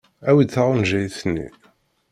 Awi-d taɣenjayt-nni.